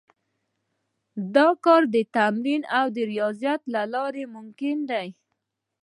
دا کار د تمرين او رياضت له لارې ممکن دی.